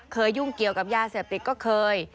ยุ่งเกี่ยวกับยาเสพติดก็เคย